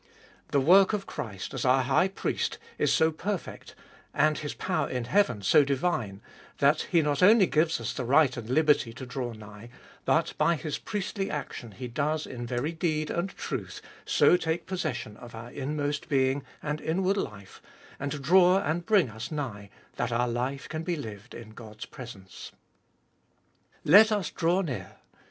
The work of Christ, as our High Priest, is so perfect, and His power in heaven so divine, that He not only gives us the right and liberty to draw 1 For timely help. 172 abe iboliest of ail nigh, but by His priestly action He does in very deed and truth, so take possession of our inmost being and inward life, and draw and bring us nigh, that our life can be lived in God's presence. Let us draw near.